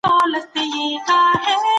کله باید له خپلو زړو نظرونو څخه تېر سو؟